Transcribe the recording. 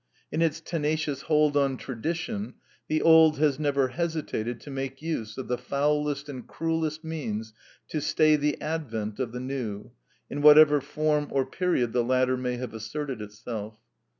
In its tenacious hold on tradition, the Old has never hesitated to make use of the foulest and cruelest means to stay the advent of the New, in whatever form or period the latter may have asserted itself.